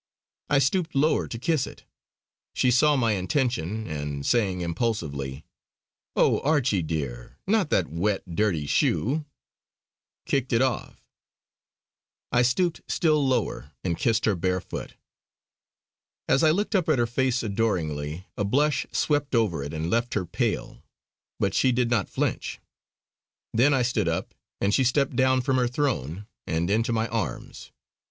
I stooped lower to kiss it. She saw my intention and saying impulsively: "Oh, Archie dear, not that wet, dirty shoe," kicked it off. I stooped still lower and kissed her bare foot. As I looked up at her face adoringly, a blush swept over it and left her pale; but she did not flinch. Then I stood up and she stepped down from her throne, and into my arms.